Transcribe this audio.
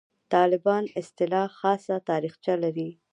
«طالبان» اصطلاح خاصه تاریخچه لري.